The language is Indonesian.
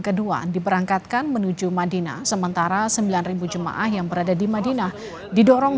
kedua diperangkatkan menuju madinah sementara sembilan ribu jum ah yang berada di madinah didorong